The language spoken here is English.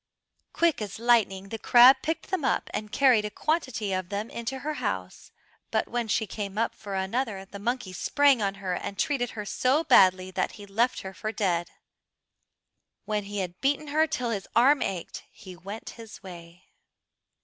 Quick as lightning the crab picked them up and carried a quantity of them into her house, but when she came up for another the monkey sprang on her, and treated her so badly that he left her for dead. When he had beaten her till his arm ached he went his way.